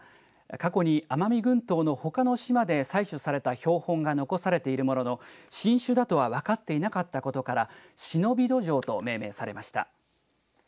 過去に奄美群島のほかの島で採取された標本が残されているものの新種だとは分かっていなかったことからシノビドジョウと命名されました。